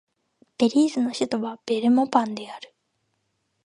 ベリーズの首都はベルモパンである